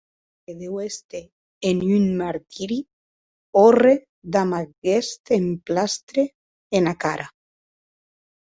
Que deu èster en un martiri òrre damb aguest emplastre ena cara.